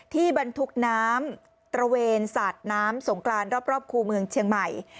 บรรทุกน้ำตระเวนสาดน้ำสงกรานรอบคู่เมืองเชียงใหม่